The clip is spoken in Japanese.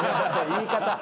言い方や。